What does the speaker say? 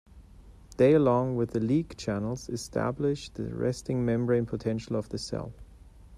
They, along with the "leak" channels, establish the resting membrane potential of the cell.